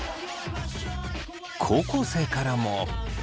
高校生からも。